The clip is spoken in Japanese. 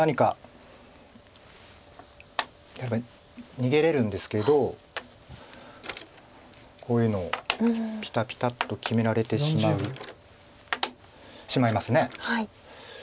逃げれるんですけどこういうのをピタピタッと決められてしまいます。